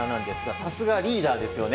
さすがリーダーですよね。